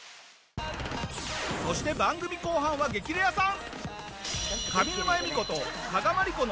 そして番組後半は『激レアさん』